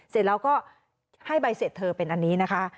เสร็จแล้วก็ให้ใบเสร็จเธอเป็นอันนี้นะคะ